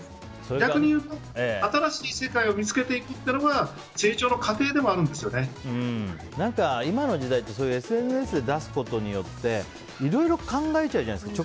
逆に言うと、新しい世界を見つけていくというのが今の時代ってＳＮＳで出すことでいろいろ考えちゃうじゃないですか。